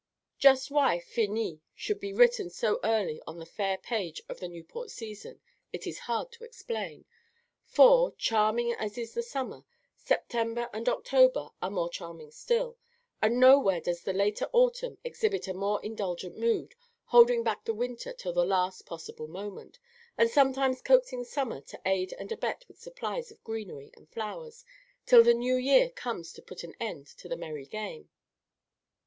Just why "Finis" should be written so early on the fair page of the Newport season, it is hard to explain; for, charming as is the summer, September and October are more charming still, and nowhere does the later autumn exhibit a more indulgent mood, holding back the winter till the last possible moment, and sometimes coaxing summer to aid and abet with supplies of greenery and flowers, till the New Year comes to put an end to the merry game.